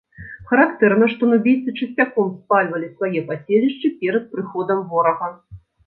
Характэрна, што нубійцы часцяком спальвалі свае паселішчы перад прыходам ворага.